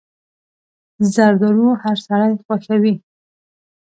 زردالو هر سړی خوښوي.